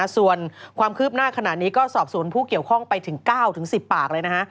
ส่วนความคืบหน้าขณะนี้ก็สอบสวนผู้เกี่ยวข้องไปถึง๙๑๐ปากเลยนะฮะ